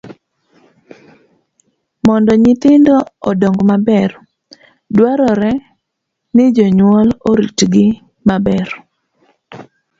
Mondo nyithindo odong maber, dwarore ni jonyuol oritgi maber.